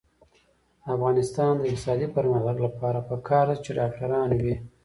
د افغانستان د اقتصادي پرمختګ لپاره پکار ده چې ډاکټران وي.